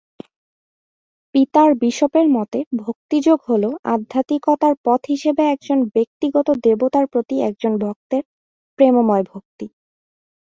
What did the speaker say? পিতার বিশপের মতে, ভক্তি যোগ হল, আধ্যাত্মিকতার পথ হিসেবে একজন ব্যক্তিগত দেবতার প্রতি একজন ভক্তের প্রেমময় ভক্তি।